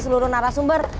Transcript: si penghubung ini juga bei